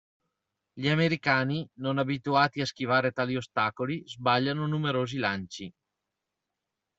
Gli americani, non abituati a schivare tali ostacoli, sbagliano numerosi lanci.